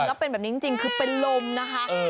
แล้วเป็นแบบนี้จริงคือเป็นลมนะคะ